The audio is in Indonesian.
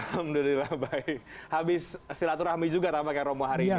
alhamdulillah baik habis silaturahmi juga tampaknya romo hari ini